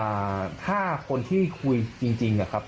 อ่าถ้าคนที่คุยจริงครับ